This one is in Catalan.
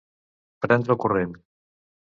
Prendre el corrent.